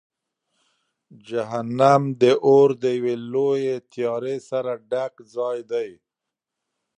جهنم د اور د یوې لویې تیارې سره ډک ځای دی.